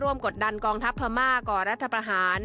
ร่วมกดดันกองทัพธรรมาฆภ์กครรัฐประหาร